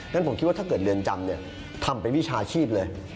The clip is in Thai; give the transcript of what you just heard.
ฉะผมคิดว่าถ้าเกิดเรือนจำเนี่ยทำเป็นวิชาชีพเลย